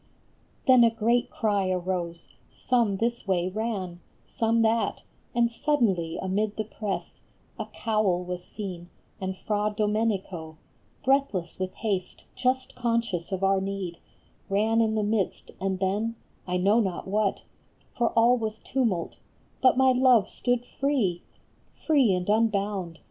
Then a great cry arose, some this way ran, Some that, and suddenly amid the press A cowl was seen, and Fra Domenico, Breathless with haste, just conscious of our need, Ran in the midst, and then, I know not what, For all was tumult, but my love stood free ! Free and unbound